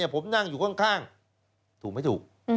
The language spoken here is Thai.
ผมนั่งอยู่ข้างถูกไม่ถูก